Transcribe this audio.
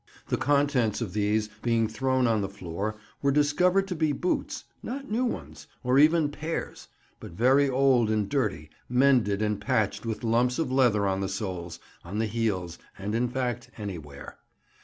The contents of these, being thrown on the floor, were discovered to be boots, not new ones, or even pairs, but very old and dirty, mended and patched with lumps of leather on the soles, on the heels, and, in fact, anywhere.